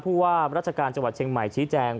ผู้ว่าราชการจังหวัดเชียงใหม่ชี้แจง